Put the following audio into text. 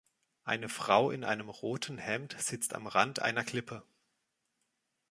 Eine Frau in einem roten Hemd sitzt am Rand einer Klippe